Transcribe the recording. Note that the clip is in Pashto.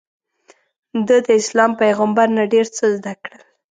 ده داسلام پیغمبر نه ډېر څه زده کړل.